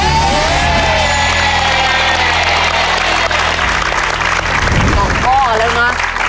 ๒ข้อเลยนะ